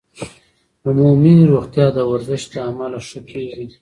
عمومي روغتیا د ورزش له امله ښه کېږي.